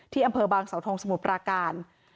อำเภอบางสาวทงสมุทรปราการ